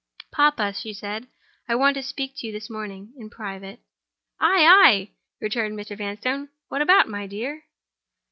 "Papa," she said, "I want to speak to you this morning—in private." "Ay! ay!" returned Mr. Vanstone. "What about, my dear!"